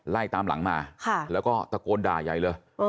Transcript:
ไล่ตามหลังมาแล้วก็ตะโกนด่าใหญ่เลย